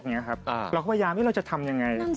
เราพยายามที่เราจะทำอย่างไร